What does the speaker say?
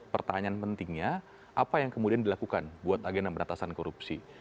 pertanyaan pentingnya apa yang kemudian dilakukan buat agenda beratasan korupsi